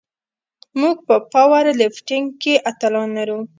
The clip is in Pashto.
موږ په پاور لفټینګ کې اتلان لرو.